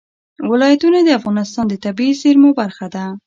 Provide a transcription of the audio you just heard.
ولایتونه د افغانستان د طبیعي زیرمو برخه ده.